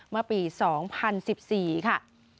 เมื่อปี๒๐๑๔ค่ะ